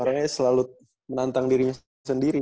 orangnya selalu menantang dirinya sendiri